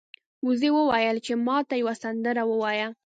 وزې وویل چې ما ته یوه سندره ووایه.